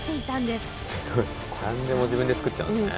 すごい。何でも自分で作っちゃうんですね。